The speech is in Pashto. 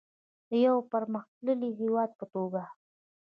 د یو پرمختللي هیواد په توګه.